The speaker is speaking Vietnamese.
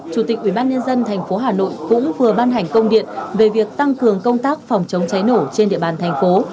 chủ tịch ủy ban nhân dân thành phố hà nội cũng vừa ban hành công điện về việc tăng cường công tác phòng chống cháy nổ trên địa bàn thành phố